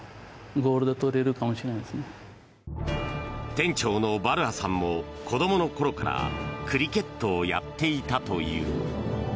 店長のバルアさんも子どもの頃からクリケットをやっていたという。